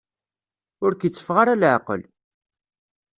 Ur k-iteffeɣ ara leεqel.